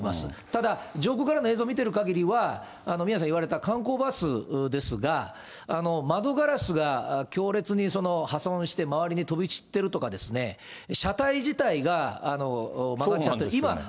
ただ、上空からの映像を見ているかぎりは、宮根さん言われた観光バスですが、窓ガラスが強烈に破損して、周りに飛び散ってるとかですね、車体自体が曲がっちゃってるんですよ。